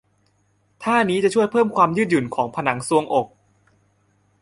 ท่านี้จะช่วยเพิ่มความยืดหยุ่นของผนังทรวงอก